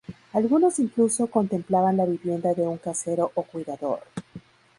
Algunos incluso contemplaban la vivienda de un casero o cuidador.